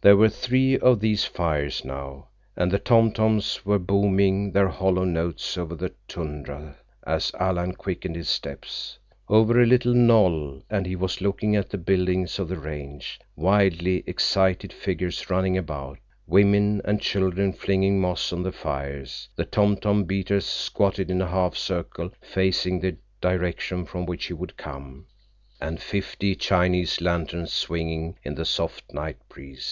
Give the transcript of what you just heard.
There were three of these fires now, and the tom toms were booming their hollow notes over the tundra as Alan quickened his steps. Over a little knoll, and he was looking at the buildings of the range, wildly excited figures running about, women and children flinging moss on the fires, the tom tom beaters squatted in a half circle facing the direction from which he would come, and fifty Chinese lanterns swinging in the soft night breeze.